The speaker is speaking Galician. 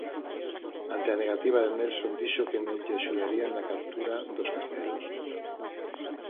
Ante a negativa de Nelson dixo que non lle axudaría na captura dos castelos.